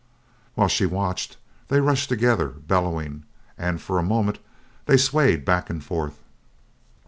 While she watched, they rushed together, bellowing, and for a moment they swayed back and forth.